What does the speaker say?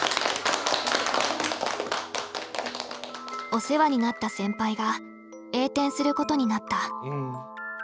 お世話になった先輩が栄転することになった。